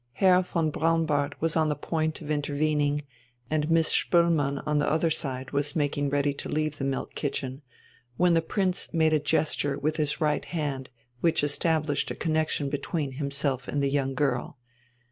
Herr von Braunbart was on the point of intervening, and Miss Spoelmann on the other side was making ready to leave the milk kitchen, when the Prince made a gesture with his right hand which established a connexion between himself and the young girl.